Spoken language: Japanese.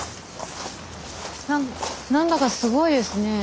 なんだかすごいですねえ